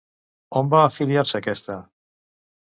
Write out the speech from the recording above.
On va afiliar-se aquesta?